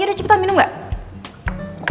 udah cepetan minum nggak